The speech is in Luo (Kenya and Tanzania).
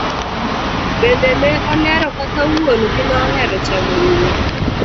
Bende ne olero kaka wuon gi nohero chamo ring'o.